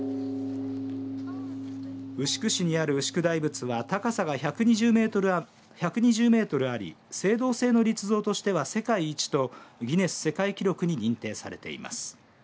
牛久市にある牛久大仏は高さが１２０メートルあり青銅製の立像としては世界一とギネス世界記録に認定されています。